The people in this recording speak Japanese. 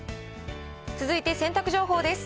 続いて洗濯情報です。